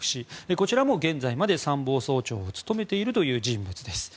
こちらも現在まで参謀総長を務めている人物です。